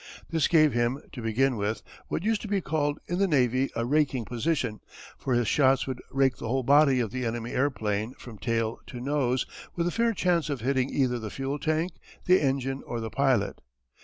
This gave him, to begin with, what used to be called in the navy a raking position, for his shots would rake the whole body of the enemy airplane from tail to nose with a fair chance of hitting either the fuel tank, the engine, or the pilot.